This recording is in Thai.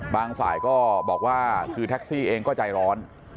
ฝ่ายก็บอกว่าคือแท็กซี่เองก็ใจร้อน